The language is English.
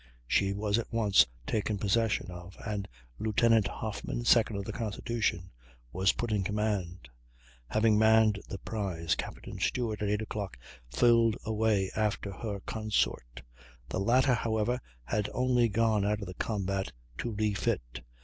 She was at once taken possession of, and Lieut. Hoffman, second of the Constitution, was put in command. Having manned the prize, Captain Stewart, at 8 o'clock, filled away after her consort. The latter, however, had only gone out of the combat to refit.